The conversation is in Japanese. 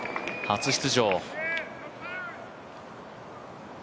初出場。